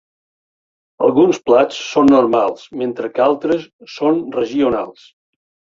Alguns plats són normals mentre que altres són regionals.